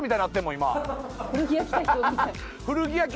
古着屋来た人みたい。